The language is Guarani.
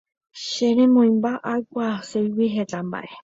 che remoimba aikuaaségui heta mba'e